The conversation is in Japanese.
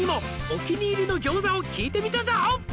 「お気に入りの餃子を聞いてみたぞ」